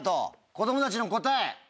子供たちの答え。